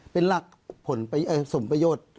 เป็นหลักผลสมประโยชน์